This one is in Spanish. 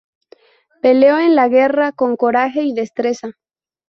Peleó en la guerra con coraje y destreza.